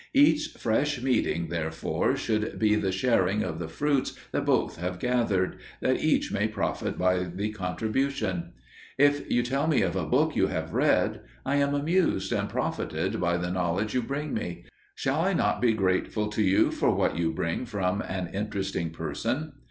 Each fresh meeting, therefore, should be the sharing of the fruits that both have gathered, that each may profit by the contribution. If you tell me of a book you have read, I am amused and profited by the knowledge you bring me; shall I not be grateful to you for what you bring from an interesting person?